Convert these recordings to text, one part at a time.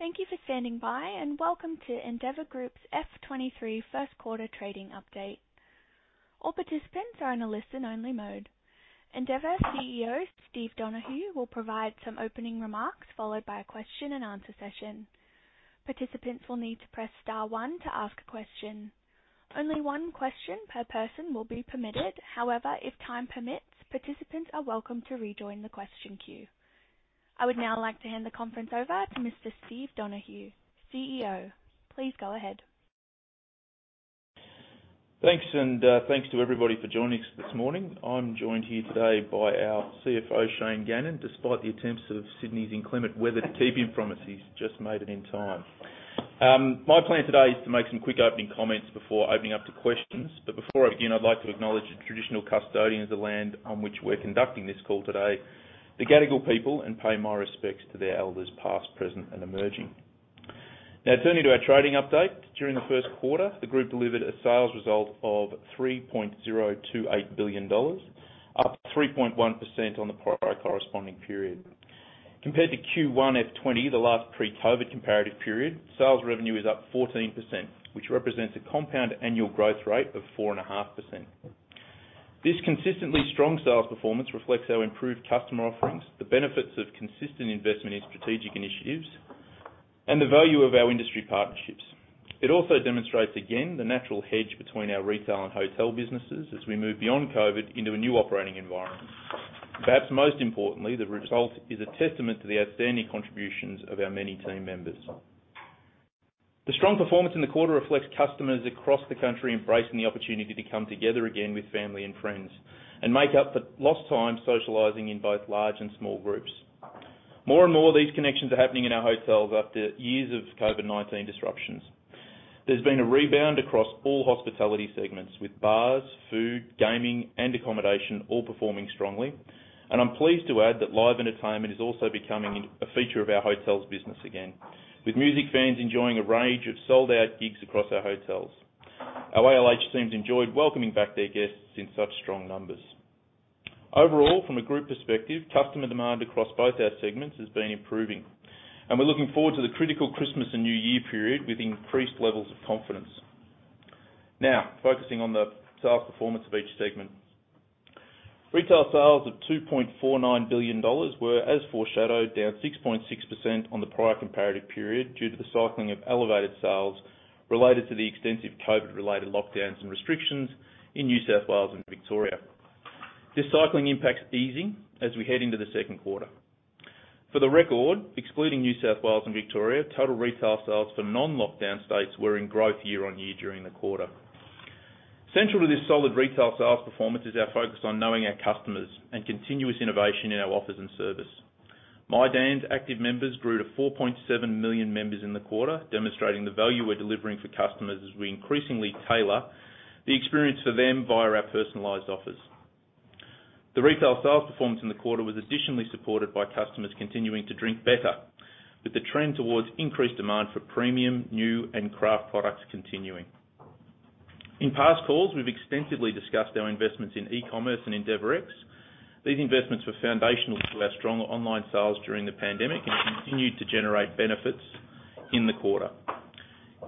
Thank you for standing by, and welcome to Endeavour Group's FY23 first quarter trading update. All participants are in a listen only mode. Endeavour CEO, Steve Donohue, will provide some opening remarks, followed by a question and answer session. Participants will need to press star one to ask a question. Only one question per person will be permitted. However, if time permits, participants are welcome to rejoin the question queue. I would now like to hand the conference over to Mr. Steve Donohue, CEO. Please go ahead. Thanks, and thanks to everybody for joining us this morning. I'm joined here today by our CFO, Shane Gannon. Despite the attempts of Sydney's inclement weather to keep him from us, he's just made it in time. My plan today is to make some quick opening comments before opening up to questions. Before I begin, I'd like to acknowledge the traditional custodians of the land on which we're conducting this call today, the Gadigal people, and pay my respects to their elders past, present, and emerging. Now, turning to our trading update. During the first quarter, the group delivered a sales result of 3.028 billion dollars, up 3.1% on the prior corresponding period. Compared to Q1 FY20, the last pre-COVID comparative period, sales revenue is up 14%, which represents a compound annual growth rate of 4.5%. This consistently strong sales performance reflects our improved customer offerings, the benefits of consistent investment in strategic initiatives, and the value of our industry partnerships. It also demonstrates, again, the natural hedge between our retail and hotel businesses as we move beyond COVID into a new operating environment. Perhaps most importantly, the result is a testament to the outstanding contributions of our many team members. The strong performance in the quarter reflects customers across the country embracing the opportunity to come together again with family and friends and make up for lost time, socializing in both large and small groups. More and more, these connections are happening in our hotels after years of COVID-19 disruptions. There's been a rebound across all hospitality segments, with bars, food, gaming, and accommodation all performing strongly. I'm pleased to add that live entertainment is also becoming a feature of our hotels business again, with music fans enjoying a range of sold-out gigs across our hotels. Our ALH teams enjoyed welcoming back their guests in such strong numbers. Overall, from a group perspective, customer demand across both our segments has been improving, and we're looking forward to the critical Christmas and New Year period with increased levels of confidence. Now, focusing on the sales performance of each segment. Retail sales of 2.49 billion dollars were, as foreshadowed, down 6.6% on the prior comparative period due to the cycling of elevated sales related to the extensive COVID-related lockdowns and restrictions in New South Wales and Victoria. This cycling impact's easing as we head into the second quarter. For the record, excluding New South Wales and Victoria, total retail sales for non-lockdown states were in growth year-on-year during the quarter. Central to this solid retail sales performance is our focus on knowing our customers and continuous innovation in our offers and service. My Dan's active members grew to 4.7 million members in the quarter, demonstrating the value we're delivering for customers as we increasingly tailor the experience for them via our personalized offers. The retail sales performance in the quarter was additionally supported by customers continuing to drink better, with the trend towards increased demand for premium, new, and craft products continuing. In past calls, we've extensively discussed our investments in e-commerce and endeavourX. These investments were foundational to our strong online sales during the pandemic and continued to generate benefits in the quarter.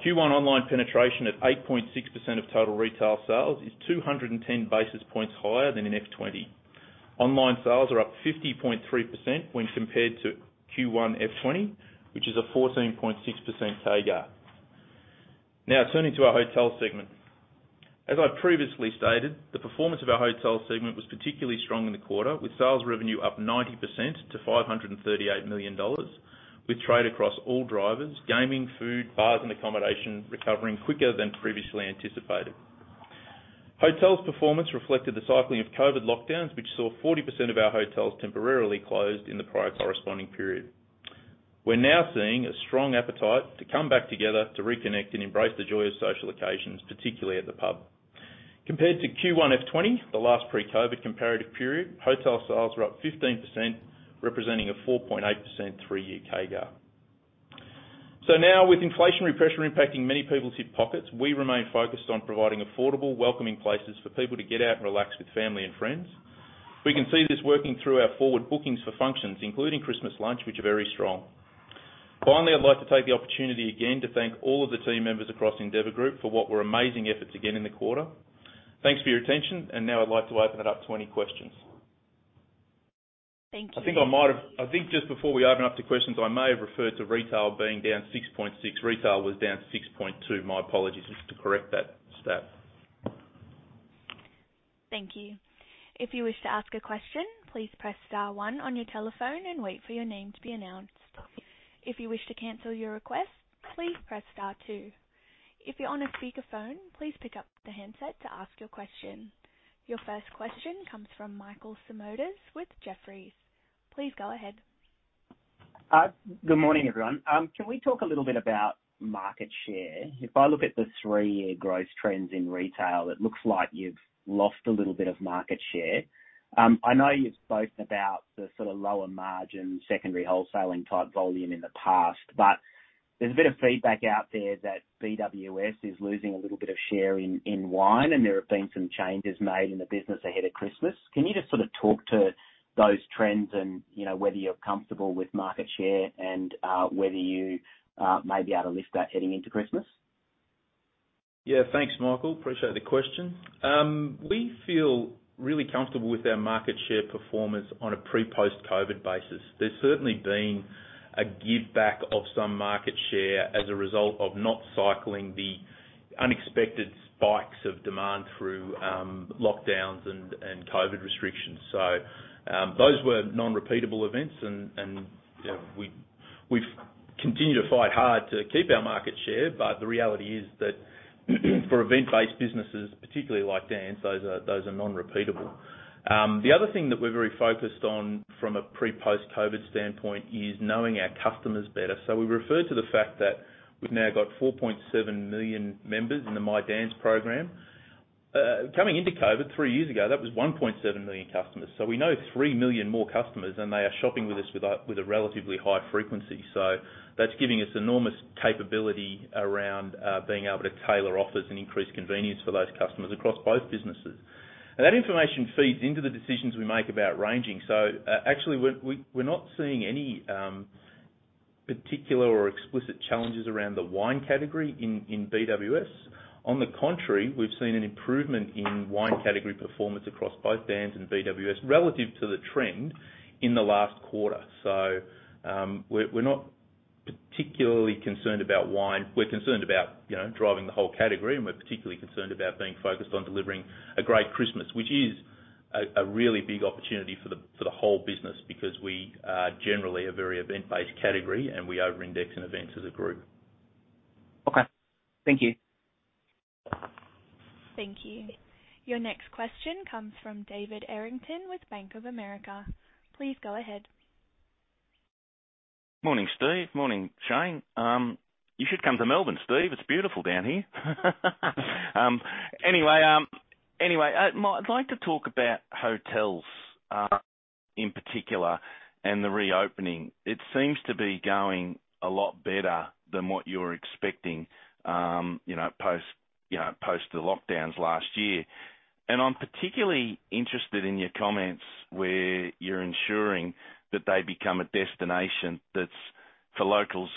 Q1 online penetration at 8.6% of total retail sales is 210 basis points higher than in FY20. Online sales are up 50.3% when compared to Q1 FY20, which is a 14.6% CAGR. Now turning to our hotel segment. As I previously stated, the performance of our hotel segment was particularly strong in the quarter, with sales revenue up 90% to 538 million dollars, with trade across all drivers, gaming, food, bars, and accommodation recovering quicker than previously anticipated. Hotels' performance reflected the cycling of COVID lockdowns, which saw 40% of our hotels temporarily closed in the prior corresponding period. We're now seeing a strong appetite to come back together to reconnect and embrace the joy of social occasions, particularly at the pub. Compared to Q1 FY20, the last pre-COVID comparative period, hotel sales are up 15%, representing a 4.8% three-year CAGR. Now, with inflationary pressure impacting many people's hip pockets, we remain focused on providing affordable, welcoming places for people to get out and relax with family and friends. We can see this working through our forward bookings for functions, including Christmas lunch, which are very strong. Finally, I'd like to take the opportunity again to thank all of the team members across Endeavour Group for what were amazing efforts again in the quarter. Thanks for your attention, and now I'd like to open it up to any questions. Thank you. I think just before we open up to questions, I may have referred to retail being down -6.6%. Retail was down -6.2%. My apologies, just to correct that stat. Thank you. If you wish to ask a question, please press star one on your telephone and wait for your name to be announced. If you wish to cancel your request, please press star two. If you're on a speakerphone, please pick up the handset to ask your question. Your first question comes from Michael Simotas with Jefferies. Please go ahead. Good morning, everyone. Can we talk a little bit about market share? If I look at the three-year growth trends in retail, it looks like you've lost a little bit of market share. I know you've spoken about the sort of lower margin, secondary wholesaling type volume in the past. There's a bit of feedback out there that BWS is losing a little bit of share in wine, and there have been some changes made in the business ahead of Christmas. Can you just sort of talk to those trends and, you know, whether you're comfortable with market share and whether you may be able to lift that heading into Christmas? Yeah. Thanks, Michael. Appreciate the question. We feel really comfortable with our market share performance on a pre/post-COVID basis. There's certainly been a giveback of some market share as a result of not cycling the unexpected spikes of demand through lockdowns and COVID restrictions. Those were non-repeatable events and, you know, we've continued to fight hard to keep our market share, but the reality is that for event-based businesses, particularly like Dan's, those are non-repeatable. The other thing that we're very focused on from a pre/post-COVID standpoint is knowing our customers better. We refer to the fact that we've now got 4.7 million members in the MyDan's program. Coming into COVID three years ago, that was 1.7 million customers. We know 3 million more customers, and they are shopping with us with a relatively high frequency. That's giving us enormous capability around being able to tailor offers and increase convenience for those customers across both businesses. That information feeds into the decisions we make about ranging. Actually, we're not seeing any particular or explicit challenges around the wine category in BWS. On the contrary, we've seen an improvement in wine category performance across both Dan's and BWS relative to the trend in the last quarter. We're not particularly concerned about wine. We're concerned about, you know, driving the whole category, and we're particularly concerned about being focused on delivering a great Christmas, which is a really big opportunity for the whole business because we are generally a very event-based category, and we over-index in events as a group. Okay. Thank you. Thank you. Your next question comes from David Errington with Bank of America. Please go ahead. Morning, Steve. Morning, Shane. You should come to Melbourne, Steve. It's beautiful down here. Anyway, I'd like to talk about hotels, in particular and the reopening. It seems to be going a lot better than what you're expecting, you know, post the lockdowns last year. I'm particularly interested in your comments where you're ensuring that they become a destination that's, for locals,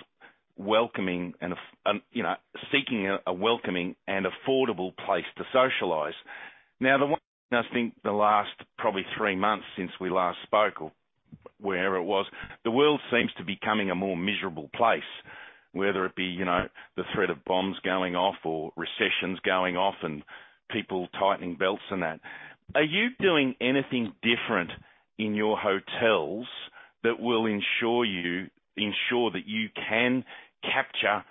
welcoming and, you know, seeking a welcoming and affordable place to socialize. Now, the one thing I think the last probably three months since we last spoke or wherever it was, the world seems to be becoming a more miserable place, whether it be, you know, the threat of bombs going off or recessions going off and people tightening belts and that. Are you doing anything different in your hotels that will ensure that you can capture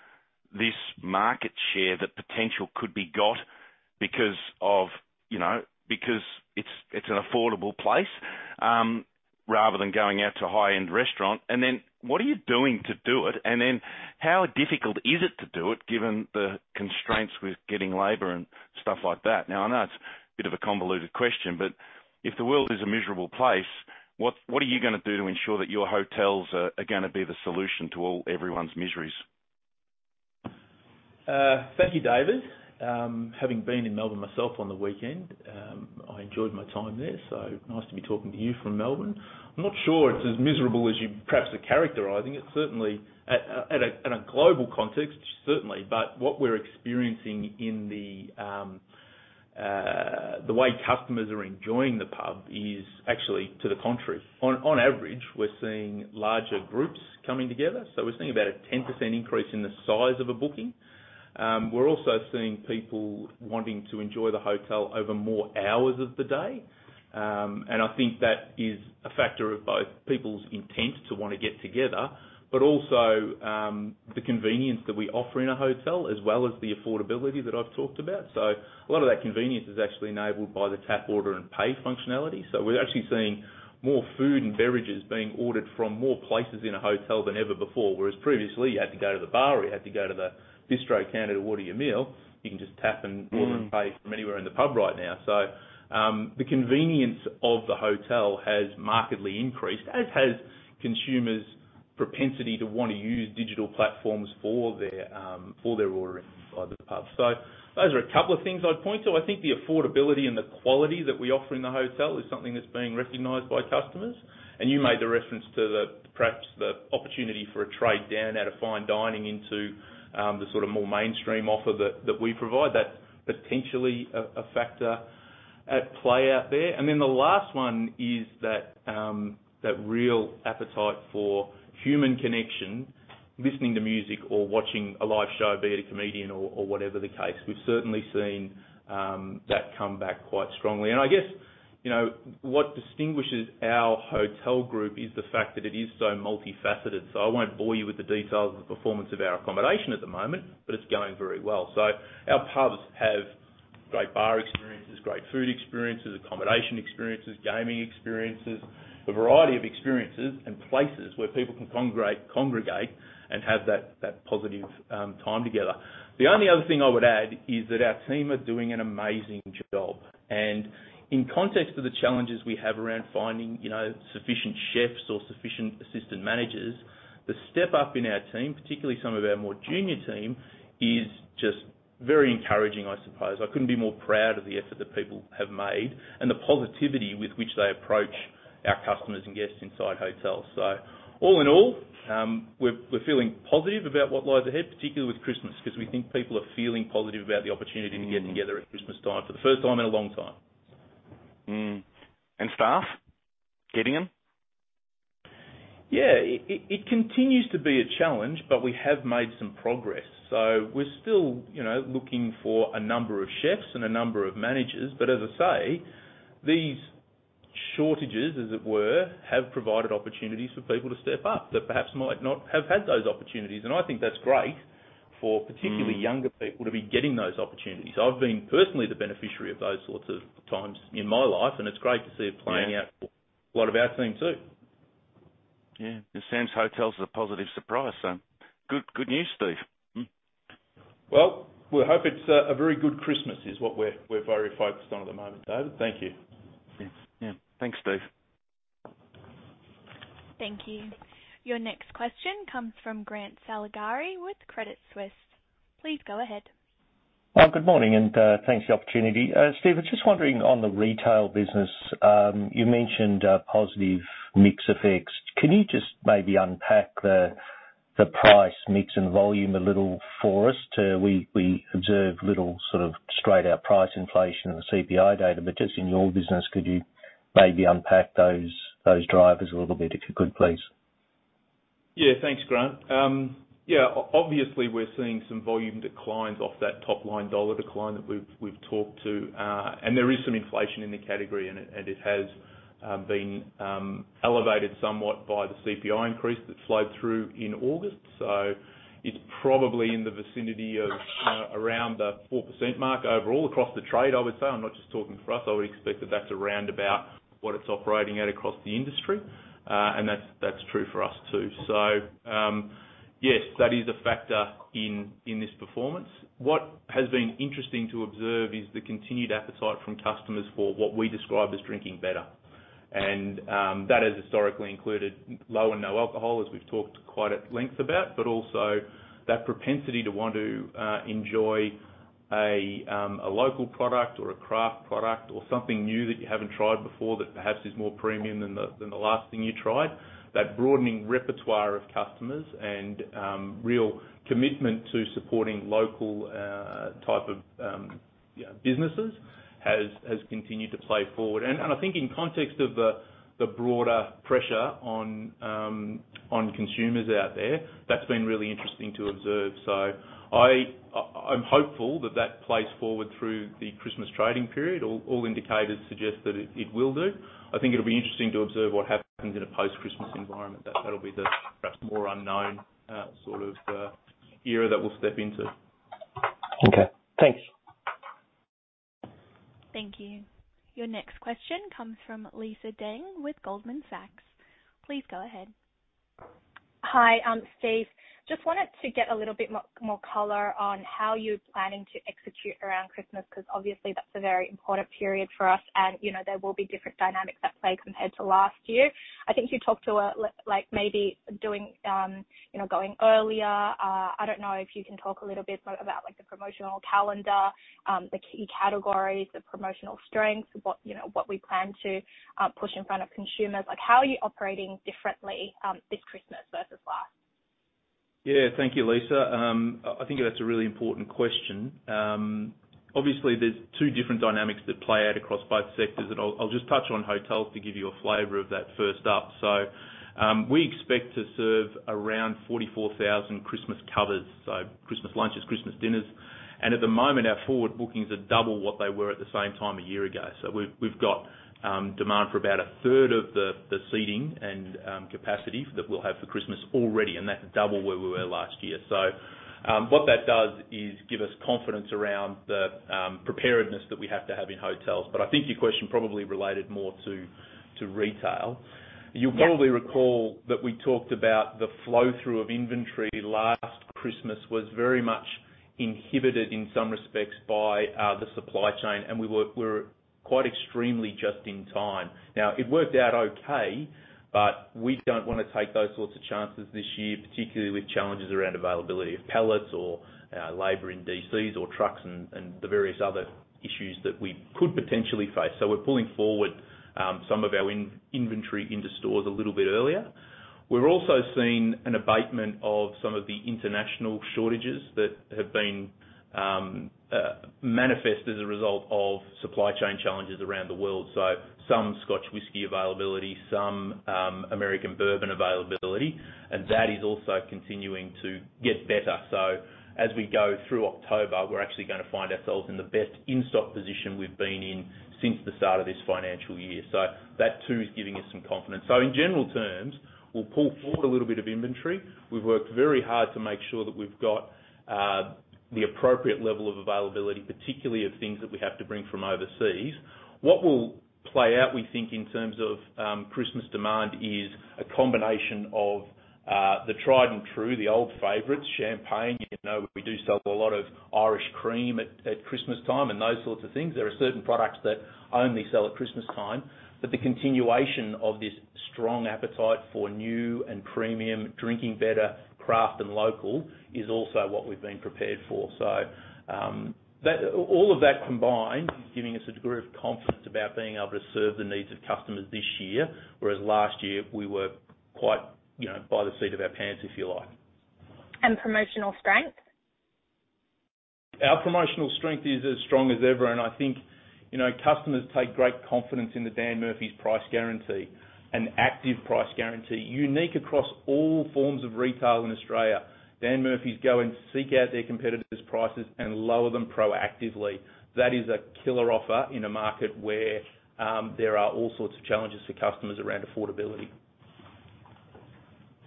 this market share that potential could be got because of, you know, because it's an affordable place, rather than going out to a high-end restaurant? What are you doing to do it? How difficult is it to do it, given the constraints with getting labor and stuff like that? Now, I know it's a bit of a convoluted question, but if the world is a miserable place, what are you gonna do to ensure that your hotels are gonna be the solution to all everyone's miseries? Thank you, David. Having been in Melbourne myself on the weekend, I enjoyed my time there, so nice to be talking to you from Melbourne. I'm not sure it's as miserable as you perhaps are characterizing. It's certainly in a global context, certainly. What we're experiencing in the way customers are enjoying the pub is actually to the contrary. On average, we're seeing larger groups coming together, so we're seeing about a 10% increase in the size of a booking. We're also seeing people wanting to enjoy the hotel over more hours of the day. I think that is a factor of both people's intent to wanna get together, but also the convenience that we offer in a hotel as well as the affordability that I've talked about. A lot of that convenience is actually enabled by the tap order and pay functionality. We're actually seeing more food and beverages being ordered from more places in a hotel than ever before. Whereas previously, you had to go to the bar or you had to go to the bistro counter to order your meal, you can just tap and order and pay from anywhere in the pub right now. The convenience of the hotel has markedly increased, as has consumers' propensity to wanna use digital platforms for their ordering by the pub. Those are a couple of things I'd point to. I think the affordability and the quality that we offer in the hotel is something that's being recognized by customers. You made the reference to perhaps the opportunity for a trade down out of fine dining into the sort of more mainstream offer that we provide. That's potentially a factor at play out there. Then the last one is that real appetite for human connection, listening to music or watching a live show, be it a comedian or whatever the case. We've certainly seen that come back quite strongly. I guess, you know, what distinguishes our hotel group is the fact that it is so multifaceted. I won't bore you with the details of the performance of our accommodation at the moment, but it's going very well. Our pubs have great bar experience. There's great food experiences, accommodation experiences, gaming experiences, a variety of experiences and places where people can congregate and have that positive time together. The only other thing I would add is that our team are doing an amazing job, and in context of the challenges we have around finding, you know, sufficient chefs or sufficient assistant managers, the step-up in our team, particularly some of our more junior team, is just very encouraging, I suppose. I couldn't be more proud of the effort that people have made and the positivity with which they approach our customers and guests inside hotels. All in all, we're feeling positive about what lies ahead, particularly with Christmas, 'cause we think people are feeling positive about the opportunity to get together at Christmas time for the first time in a long time. Staff, getting 'em? Yeah. It continues to be a challenge, but we have made some progress. We're still, you know, looking for a number of chefs and a number of managers, but as I say, these shortages, as it were, have provided opportunities for people to step up that perhaps might not have had those opportunities. I think that's great for particularly. Mm. younger people to be getting those opportunities. I've been personally the beneficiary of those sorts of times in my life, and it's great to see it playing out. Yeah. for a lot of our team, too. Yeah. It seems hotels are a positive surprise, so good news, Steve. Well, we hope it's a very good Christmas, is what we're very focused on at the moment, David. Thank you. Yes. Yeah. Thanks, Steve. Thank you. Your next question comes from Grant Saligari with Credit Suisse. Please go ahead. Well, good morning, and thanks for the opportunity. Steve, I was just wondering on the retail business, you mentioned positive mix effects. Can you just maybe unpack the price mix and volume a little for us? We observe little sort of straight-out price inflation in the CPI data, but just in your business, could you maybe unpack those drivers a little bit, if you could, please? Yeah. Thanks, Grant. Obviously we're seeing some volume declines off that top line dollar decline that we've talked to, and there is some inflation in the category and it has been elevated somewhat by the CPI increase that flowed through in August. It's probably in the vicinity of around the 4% mark overall across the trade, I would say. I'm not just talking for us. I would expect that that's around about what it's operating at across the industry. That's true for us, too. Yes, that is a factor in this performance. What has been interesting to observe is the continued appetite from customers for what we describe as drinking better. That has historically included low and no alcohol, as we've talked quite at length about, but also that propensity to want to enjoy a local product or a craft product or something new that you haven't tried before that perhaps is more premium than the last thing you tried. That broadening repertoire of customers and real commitment to supporting local type of businesses has continued to play forward. I think in context of the broader pressure on consumers out there, that's been really interesting to observe. I'm hopeful that that plays forward through the Christmas trading period. All indicators suggest that it will do. I think it'll be interesting to observe what happens in a post-Christmas environment. That, that'll be the perhaps more unknown, sort of, era that we'll step into. Okay. Thanks. Thank you. Your next question comes from Lisa Deng with Goldman Sachs. Please go ahead. Hi. Steve, just wanted to get a little bit more color on how you're planning to execute around Christmas, 'cause obviously that's a very important period for us and, you know, there will be different dynamics at play compared to last year. I think you talked about like maybe doing, you know, going earlier. I don't know if you can talk a little bit about, like, the promotional calendar, the key categories, the promotional strengths, what, you know, what we plan to, push in front of consumers. Like, how are you operating differently, this Christmas versus last? Yeah. Thank you, Lisa. I think that's a really important question. Obviously there's two different dynamics that play out across both sectors, and I'll just touch on hotels to give you a flavor of that first up. We expect to serve around 44,000 Christmas covers, so Christmas lunches, Christmas dinners. At the moment, our forward bookings are double what they were at the same time a year ago. We've got demand for about a third of the seating and capacity that we'll have for Christmas already, and that's double where we were last year. What that does is give us confidence around the preparedness that we have to have in hotels, but I think your question probably related more to retail. Yes. You'll probably recall that we talked about the flow-through of inventory last Christmas was very much inhibited in some respects by the supply chain, and we were quite extremely just in time. Now, it worked out okay, but we don't wanna take those sorts of chances this year, particularly with challenges around availability of pallets or labor in DCs or trucks and the various other issues that we could potentially face. We're pulling forward some of our inventory into stores a little bit earlier. We're also seeing an abatement of some of the international shortages that have been manifest as a result of supply chain challenges around the world. Some Scotch whisky availability, some American bourbon availability, and that is also continuing to get better. As we go through October, we're actually gonna find ourselves in the best in-stock position we've been in since the start of this financial year. That too is giving us some confidence. In general terms, we'll pull forward a little bit of inventory. We've worked very hard to make sure that we've got the appropriate level of availability, particularly of things that we have to bring from overseas. What will play out, we think, in terms of Christmas demand is a combination of the tried and true, the old favorites, champagne. You know we do sell a lot of Irish cream at Christmas time and those sorts of things. There are certain products that only sell at Christmas time. The continuation of this strong appetite for new and premium, drinking better, craft and local is also what we've been prepared for. All of that combined is giving us a degree of confidence about being able to serve the needs of customers this year, whereas last year we were quite, you know, by the seat of our pants, if you like. Promotional strength? Our promotional strength is as strong as ever. I think, you know, customers take great confidence in the Dan Murphy's price guarantee, an active price guarantee, unique across all forms of retail in Australia. Dan Murphy's go and seek out their competitors' prices and lower them proactively. That is a killer offer in a market where there are all sorts of challenges for customers around affordability.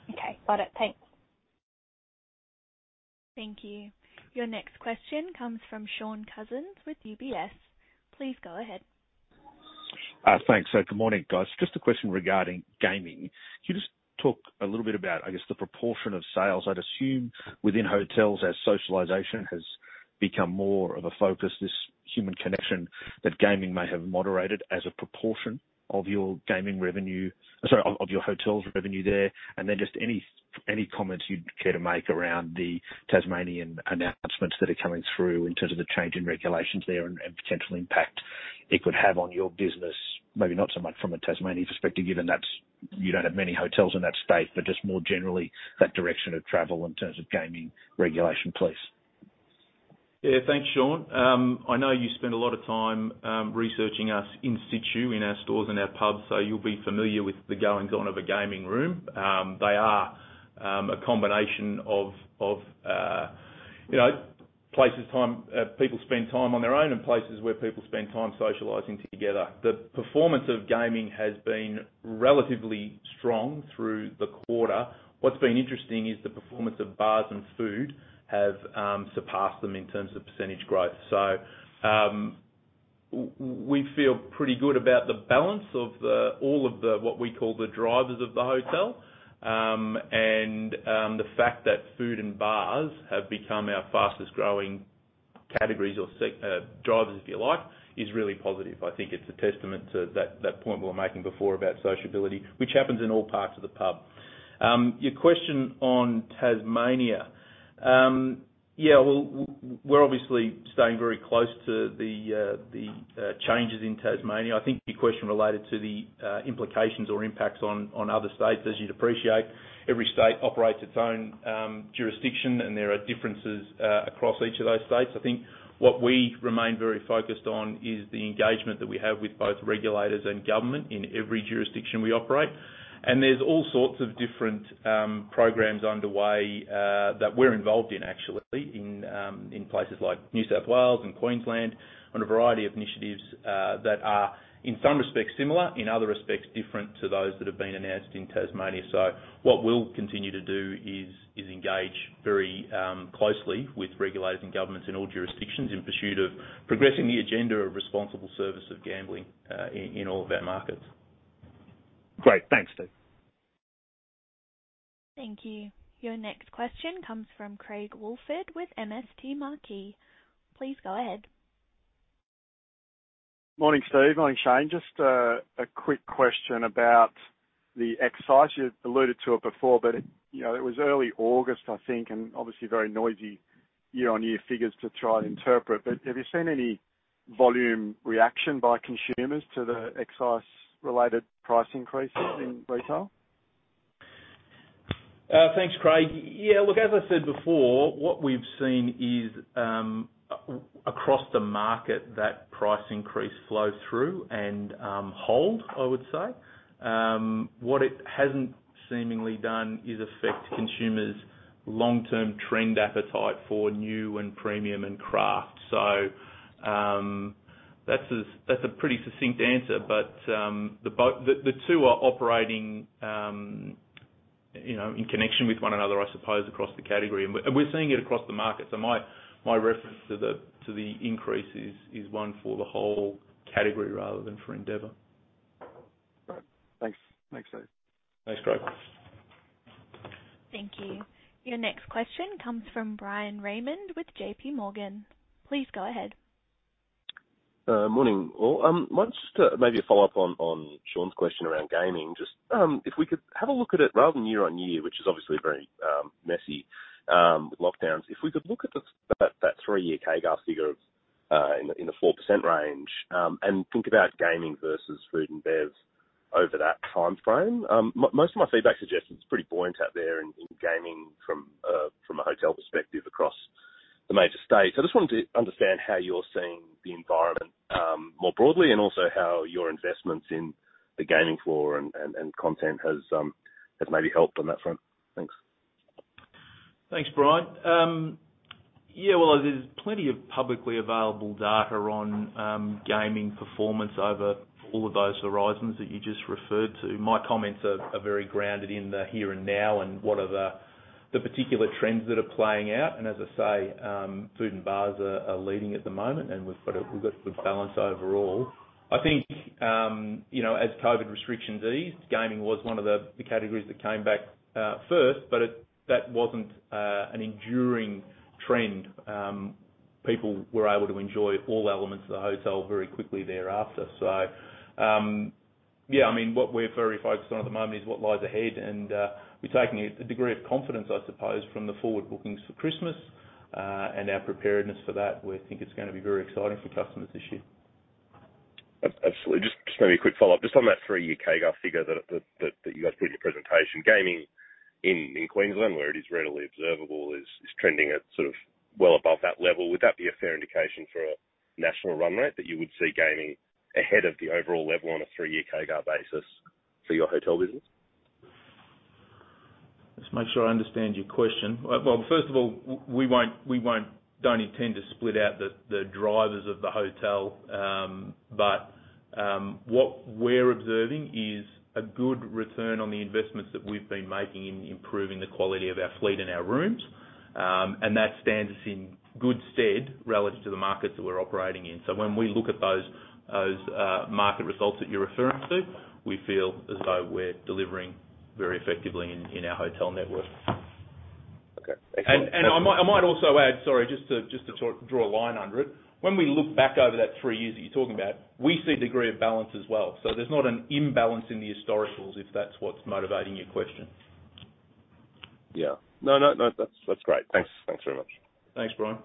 Okay. Got it. Thanks. Thank you. Your next question comes from Shaun Cousins with UBS. Please go ahead. Good morning, guys. Just a question regarding gaming. Can you just talk a little bit about, I guess, the proportion of sales, I'd assume within hotels, as socialization has become more of a focus, this human connection, that gaming may have moderated as a proportion of your hotel's revenue there. Any comments you'd care to make around the Tasmanian announcements that are coming through in terms of the change in regulations there and potential impact it could have on your business? Maybe not so much from a Tasmanian perspective, given that's you don't have many hotels in that state, but just more generally that direction of travel in terms of gaming regulation, please. Yeah. Thanks, Shaun. I know you spend a lot of time researching us in situ in our stores and our pubs, so you'll be familiar with the goings on of a gaming room. They are a combination of you know places time people spend time on their own and places where people spend time socializing together. The performance of gaming has been relatively strong through the quarter. What's been interesting is the performance of bars and food have surpassed them in terms of percentage growth. We feel pretty good about the balance of all of the what we call the drivers of the hotel. The fact that food and bars have become our fastest growing categories or drivers if you like is really positive. I think it's a testament to that point we were making before about sociability, which happens in all parts of the pub. Your question on Tasmania. Yeah, well, we're obviously staying very close to the changes in Tasmania. I think your question related to the implications or impacts on other states. As you'd appreciate, every state operates its own jurisdiction, and there are differences across each of those states. I think what we remain very focused on is the engagement that we have with both regulators and government in every jurisdiction we operate. There's all sorts of different programs underway that we're involved in actually in places like New South Wales and Queensland, on a variety of initiatives that are in some respects similar, in other respects different to those that have been announced in Tasmania. What we'll continue to do is engage very closely with regulators and governments in all jurisdictions in pursuit of progressing the agenda of responsible service of gambling in all of our markets. Great. Thanks, Steve. Thank you. Your next question comes from Craig Woolford with MST Marquee. Please go ahead. Morning, Steve. Morning, Shane. Just a quick question about the excise. You alluded to it before, but, you know, it was early August, I think, and obviously very noisy year-on-year figures to try and interpret. Have you seen any volume reaction by consumers to the excise-related price increases in retail? Thanks, Craig. Yeah, look, as I said before, what we've seen is across the market, that price increase flow through and hold, I would say. What it hasn't seemingly done is affect consumers' long-term trend appetite for new and premium and craft. That's a pretty succinct answer, but the two are operating, you know, in connection with one another, I suppose, across the category. We're seeing it across the market. My reference to the increase is one for the whole category rather than for Endeavour. All right. Thanks. Thanks, Steve. Thanks, Craig. Thank you. Your next question comes from Bryan Raymond with J.P. Morgan. Please go ahead. Morning, all. Might just maybe a follow-up on Shaun's question around gaming. If we could have a look at it rather than year-on-year, which is obviously very messy with lockdowns. If we could look at the three-year CAGR figure of in the 4% range, and think about gaming versus food and bev over that timeframe. Most of my feedback suggests it's pretty buoyant out there in gaming from a hotel perspective across the major states. I just wanted to understand how you're seeing the environment more broadly, and also how your investments in the gaming floor and content has maybe helped on that front. Thanks. Thanks, Bryan. There's plenty of publicly available data on gaming performance over all of those horizons that you just referred to. My comments are very grounded in the here and now and what are the particular trends that are playing out. As I say, food and bars are leading at the moment, and we've got good balance overall. I think as COVID restrictions eased, gaming was one of the categories that came back first, but that wasn't an enduring trend. People were able to enjoy all elements of the hotel very quickly thereafter. What we're very focused on at the moment is what lies ahead. We're taking a degree of confidence, I suppose, from the forward bookings for Christmas, and our preparedness for that. We think it's gonna be very exciting for customers this year. Absolutely. Just maybe a quick follow-up. Just on that three-year CAGR figure that you guys put in your presentation. Gaming in Queensland, where it is readily observable, is trending at sort of well above that level. Would that be a fair indication for a national run rate that you would see gaming ahead of the overall level on a three-year CAGR basis for your hotel business? Just make sure I understand your question. Well, first of all, we don't intend to split out the drivers of the hotel. What we're observing is a good return on the investments that we've been making in improving the quality of our fleet and our rooms. That stands in good stead relative to the markets that we're operating in. When we look at those market results that you're referring to, we feel as though we're delivering very effectively in our hotel network. Okay. Excellent. I might also add, sorry, just to draw a line under it. When we look back over that three years that you're talking about, we see a degree of balance as well. There's not an imbalance in the historicals, if that's what's motivating your question. Yeah. No, no. That's great. Thanks. Thanks very much. Thanks, Bryan.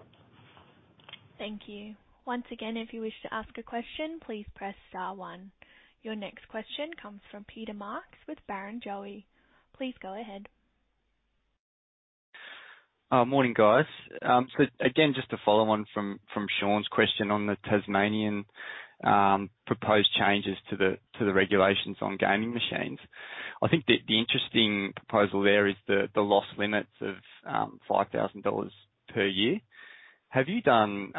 Thank you. Once again, if you wish to ask a question, please press star one. Your next question comes from Peter Marks with Barrenjoey. Please go ahead. Morning, guys. Again, just to follow on from Shaun's question on the Tasmanian proposed changes to the regulations on gaming machines. I think the interesting proposal there is the loss limits of 5,000 dollars per year. Have you done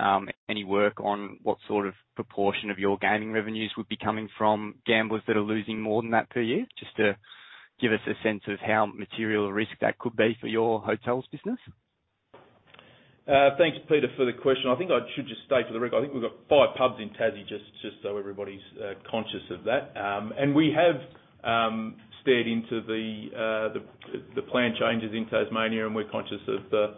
any work on what sort of proportion of your gaming revenues would be coming from gamblers that are losing more than that per year? Just to give us a sense of how material a risk that could be for your hotels business. Thanks, Peter, for the question. I think I should just state for the record, I think we've got five pubs in Tassie, just so everybody's conscious of that. We have stared into the plan changes in Tasmania, and we're conscious of the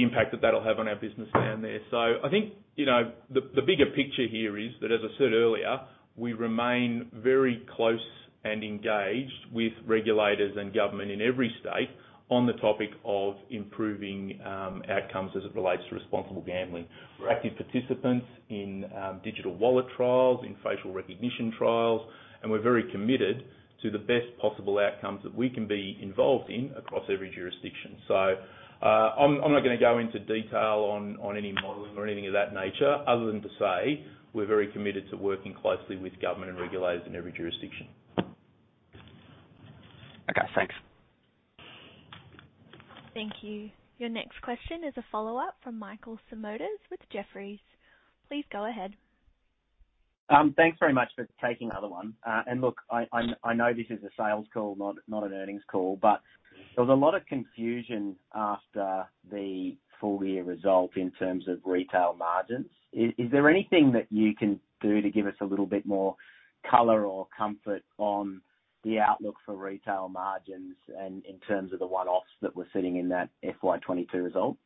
impact that that'll have on our business down there. I think, you know, the bigger picture here is that, as I said earlier, we remain very close and engaged with regulators and government in every state on the topic of improving outcomes as it relates to responsible gambling. We're active participants in digital wallet trials, in facial recognition trials, and we're very committed to the best possible outcomes that we can be involved in across every jurisdiction. I'm not gonna go into detail on any modeling or anything of that nature other than to say we're very committed to working closely with government and regulators in every jurisdiction. Okay, thanks. Thank you. Your next question is a follow-up from Michael Simotas with Jefferies. Please go ahead. Thanks very much for taking another one. Look, I know this is a sales call, not an earnings call, but there was a lot of confusion after the full-year result in terms of retail margins. Is there anything that you can do to give us a little bit more color or comfort on the outlook for retail margins in terms of the one-offs that we're seeing in that FY22 result?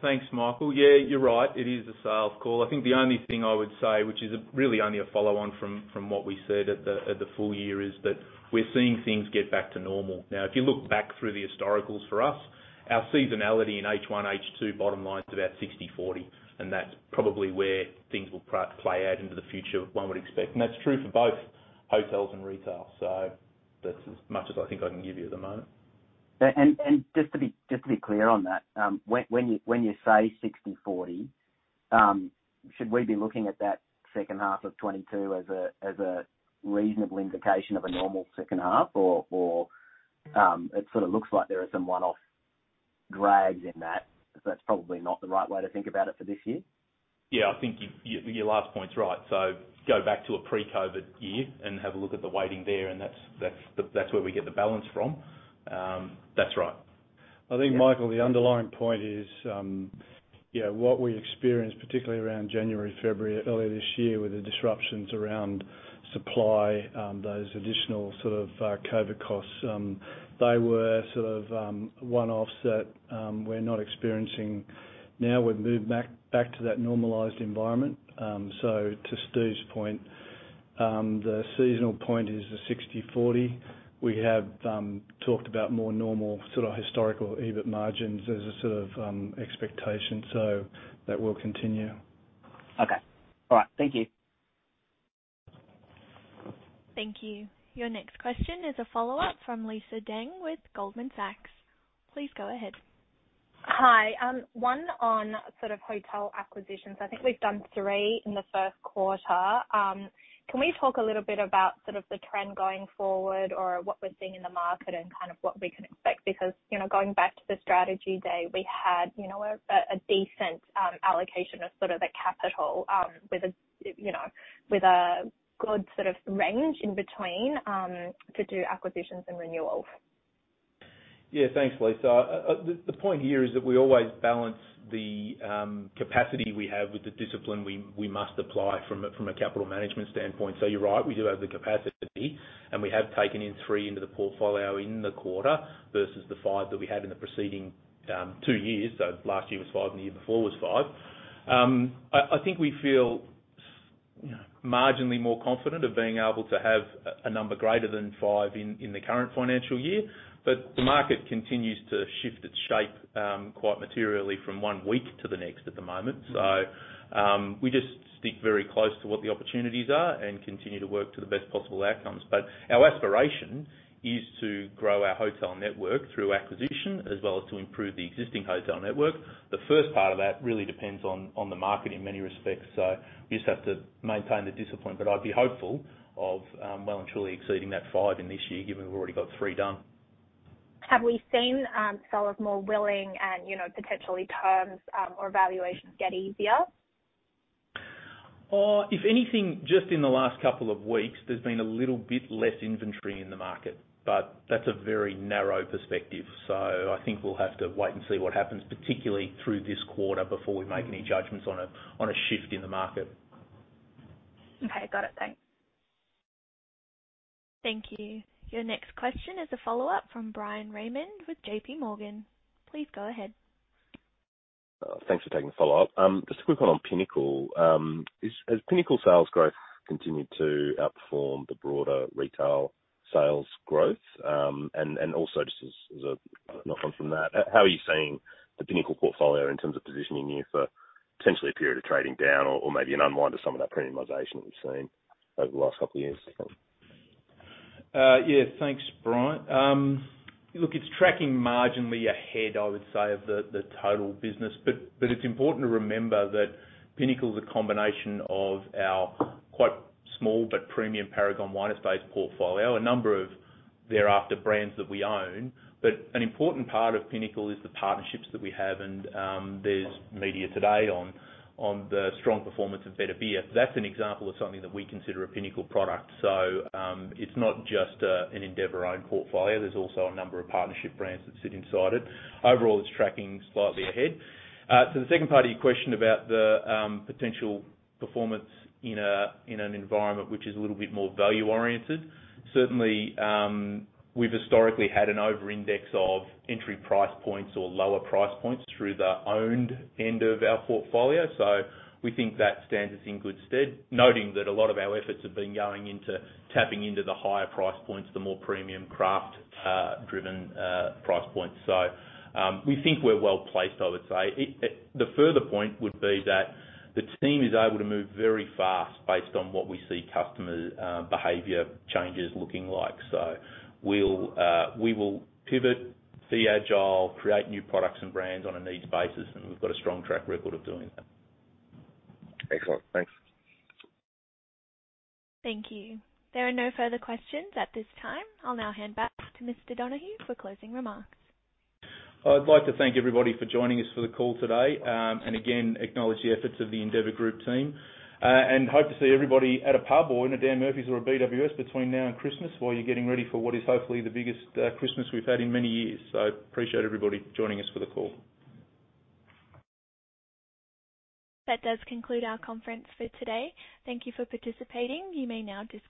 Thanks, Michael. Yeah, you're right. It is a sales call. I think the only thing I would say, which is really only a follow on from what we said at the full year, is that we're seeing things get back to normal. Now, if you look back through the historicals for us, our seasonality in H1, H2 bottom-lined about 60/40, and that's probably where things will play out into the future, one would expect. That's true for both hotels and retail. That's as much as I think I can give you at the moment. Just to be clear on that. When you say 60/40, should we be looking at that second half of 2022 as a reasonable indication of a normal second half? Or it sort of looks like there are some one-off drags in that. That's probably not the right way to think about it for this year? Yeah. I think your last point's right. Go back to a pre-COVID year and have a look at the weighting there, and that's where we get the balance from. That's right. I think, Michael, the underlying point is, you know, what we experienced, particularly around January, February, earlier this year, with the disruptions around supply, those additional sort of, COVID costs, they were sort of, one-offs that, we're not experiencing now. We've moved back to that normalized environment. To Steve's point, the seasonal point is a 60/40. We have talked about more normal, sort of, historical EBIT margins as a sort of, expectation. That will continue. Okay. All right. Thank you. Thank you. Your next question is a follow-up from Lisa Deng with Goldman Sachs. Please go ahead. Hi. One on sort of hotel acquisitions. I think we've done three in the first quarter. Can we talk a little bit about sort of the trend going forward or what we're seeing in the market and kind of what we can expect? Because, you know, going back to the strategy day, we had, you know, a decent allocation of sort of the capital, with, you know, a good sort of range in between to do acquisitions and renewals. Yeah. Thanks, Lisa. The point here is that we always balance the capacity we have with the discipline we must apply from a capital management standpoint. You're right, we do have the capacity, and we have taken in three into the portfolio in the quarter versus the five that we had in the preceding two years. Last year was five, and the year before was five. I think we feel, you know, marginally more confident of being able to have a number greater than five in the current financial year. The market continues to shift its shape quite materially from one week to the next at the moment. We just stick very close to what the opportunities are and continue to work to the best possible outcomes. Our aspiration is to grow our hotel network through acquisition as well as to improve the existing hotel network. The first part of that really depends on the market in many respects, so we just have to maintain the discipline. I'd be hopeful of well and truly exceeding that five in this year, given we've already got three done. Have we seen, sellers more willing and, you know, potentially terms, or evaluations get easier? If anything, just in the last couple of weeks, there's been a little bit less inventory in the market, but that's a very narrow perspective. I think we'll have to wait and see what happens, particularly through this quarter, before we make any judgments on a shift in the market. Okay. Got it. Thanks. Thank you. Your next question is a follow-up from Bryan Raymond with J.P. Morgan. Please go ahead. Thanks for taking the follow-up. Just a quick one on Pinnacle. Has Pinnacle sales growth continued to outperform the broader retail sales growth? Also, just as a kind of knock-on from that, how are you seeing the Pinnacle portfolio in terms of positioning you for potentially a period of trading down or maybe an unwind of some of that premiumization that we've seen over the last couple of years? Thanks, Bryan. It's tracking marginally ahead, I would say, of the total business. It's important to remember that Pinnacle is a combination of our quite small but premium Paragon Wine Estates-based portfolio, a number of the other brands that we own. An important part of Pinnacle is the partnerships that we have, and there's media today on the strong performance of Better Beer. That's an example of something that we consider a Pinnacle product. It's not just an Endeavour-owned portfolio. There's also a number of partnership brands that sit inside it. Overall, it's tracking slightly ahead. The second part of your question about the potential performance in an environment which is a little bit more value-oriented. Certainly, we've historically had an over-index of entry price points or lower price points through the owned end of our portfolio, so we think that stands us in good stead, noting that a lot of our efforts have been going into tapping into the higher price points, the more premium craft driven price points. So, we think we're well-placed, I would say. The further point would be that the team is able to move very fast based on what we see customer behavior changes looking like. So we will pivot, be agile, create new products and brands on a needs basis, and we've got a strong track record of doing that. Excellent. Thanks. Thank you. There are no further questions at this time. I'll now hand back to Mr. Donohue for closing remarks. I'd like to thank everybody for joining us for the call today, and again acknowledge the efforts of the Endeavour Group team. Hope to see everybody at a pub or in a Dan Murphy's or a BWS between now and Christmas while you're getting ready for what is hopefully the biggest Christmas we've had in many years. Appreciate everybody joining us for the call. That does conclude our conference for today. Thank you for participating. You may now disconnect.